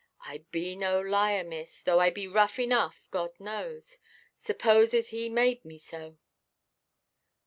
I be no liar, miss, though I be rough enough, God knows. Supposes He made me so."